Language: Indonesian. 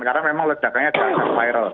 karena memang lejakannya jalan viral